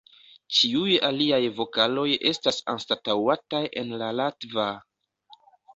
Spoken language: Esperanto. Ĉiuj aliaj vokaloj estas anstataŭataj en la latva.